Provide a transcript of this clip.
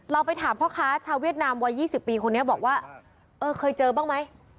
ไปถามพ่อค้าชาวเวียดนามวัย๒๐ปีคนนี้บอกว่าเออเคยเจอบ้างไหม